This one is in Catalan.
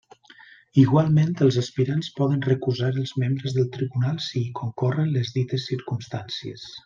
Igualment, els aspirants poden recusar els membres del tribunal si hi concorren les dites circumstàncies.